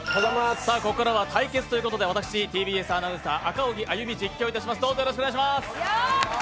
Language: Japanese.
ここからは対決ということで私、ＴＢＳアナウンサー、赤荻歩、実況いたします。